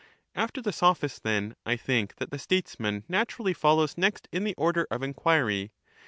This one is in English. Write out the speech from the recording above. After the Sophist, then, I think that the Statesman naturally follows next in the order of enquiry.